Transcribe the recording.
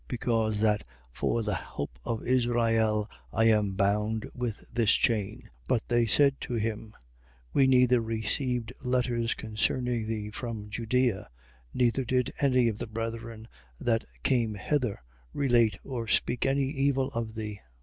Because that for the hope of Israel, I am bound with this chain. 28:21. But they said to him: We neither received letters concerning thee from Judea: neither did any of the brethren that came hither relate or speak any evil of thee.